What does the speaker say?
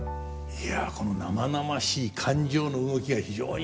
いやこの生々しい感情の動きが非常に